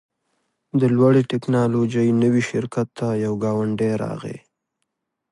د لوړې ټیکنالوژۍ نوي شرکت ته یو ګاونډی راغی